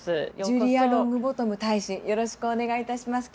ジュリア・ロングボトム大使よろしくお願いいたします